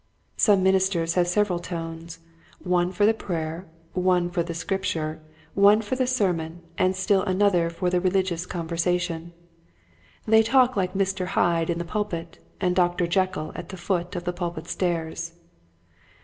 Some min isters have several tones, one for the prayer, one for the Scripture, one for the sermon, and still another for religious con versation. They talk like Mr. Hyde in the pulpit and like Dr. Jekyl at the foot of the pulpit stairs.